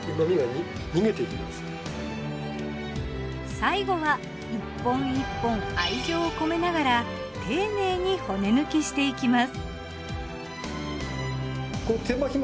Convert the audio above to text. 最後は１本１本愛情を込めながら丁寧に骨抜きしていきます。